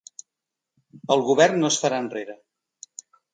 El govern no es farà enrere